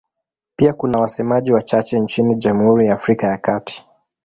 Pia kuna wasemaji wachache nchini Jamhuri ya Afrika ya Kati.